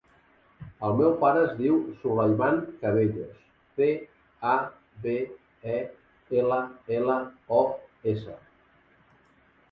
El meu pare es diu Sulaiman Cabellos: ce, a, be, e, ela, ela, o, essa.